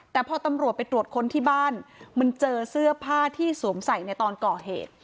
แต่พอตำรวจไปตรวจค้นที่บ้านมันเจอเสื้อผ้าที่สวมใส่ในตอนก่อเหตุ